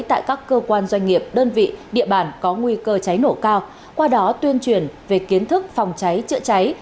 tại các cơ quan doanh nghiệp đơn vị địa bàn có nguy cơ cháy nổ cao qua đó tuyên truyền về kiến thức phòng cháy chữa cháy